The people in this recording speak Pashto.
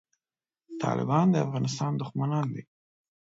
طالبان د افغانستان دښمنان دي